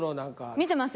見てます。